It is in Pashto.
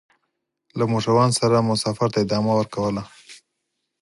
له موټروان سره مو سفر ته ادامه ورکوله.